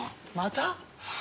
また？